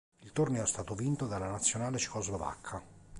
Il torneo è stato vinto dalla nazionale cecoslovacca.